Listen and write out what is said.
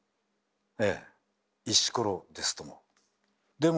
ええ石ころですとも。